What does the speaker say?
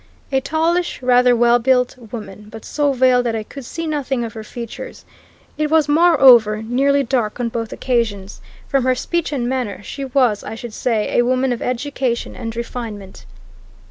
"A tallish, rather well built woman, but so veiled that I could see nothing of her features; it was, moreover, nearly dark on both occasions. From her speech and manner, she was, I should say, a woman of education and refinement."